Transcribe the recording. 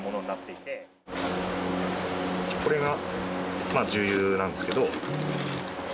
これが重油なんですけど。